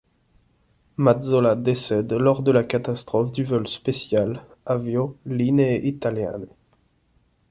Mazzola décède lors de la catastrophe du vol spécial Avio-Linee Italiane.